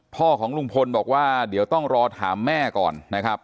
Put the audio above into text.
พ่อของลุงพลบอกว่าเดี๋ยวต้องรอถามแม่ก่อนนะครับ